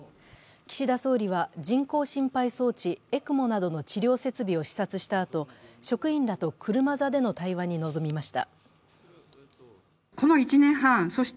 岸田総理は人工心肺装置＝ＥＣＭＯなどの治療設備を視察したあと、職員らと車座での対話に臨みました。